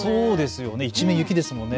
一面、雪ですもんね。